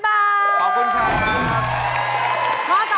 ขอบคุณค่ะครับ